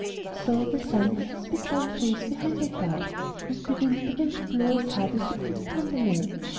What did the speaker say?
So the Sun hid his big round face behind a cloud, and the Wind began to blow as hard as he could upon the man.